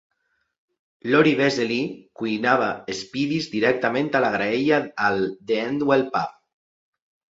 Lori Vesely cuinava spiedies directament a la graella al The Endwell Pub.